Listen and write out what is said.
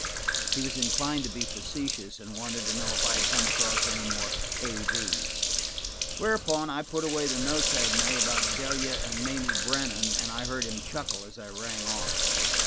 He was inclined to be facetious, and wanted to know if I had come across any more k. v's. Whereupon I put away the notes I had made about Delia and Mamie Brennan and I heard him chuckle as I rang off.